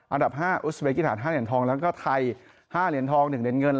อันดับ๕อุสเบกิฐาน๕เหรียญทองแล้วก็ไทย๕เหรียญทอง๑เหรียญเงิน